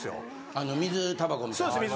あの水タバコみたいな。